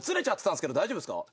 大丈夫ですか？